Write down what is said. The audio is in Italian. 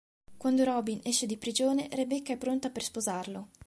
Quando Robin esce di prigione, Rebecca è pronta per sposarlo.